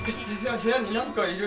部屋になんかいる！